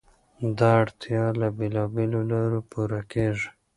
دا اړتیا له بېلابېلو لارو پوره کېږي.